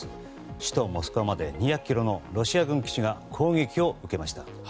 首都モスクワまで２００ｋｍのロシア軍基地が攻撃を受けました。